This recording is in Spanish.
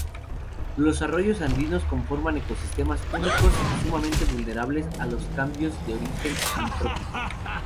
Los arroyos andinos conforman ecosistemas únicos, sumamente vulnerables a los cambios de origen antrópico.